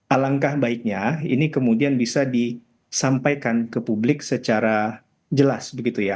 alangkah baiknya ini kemudian bisa disampaikan ke publik secara jelas begitu ya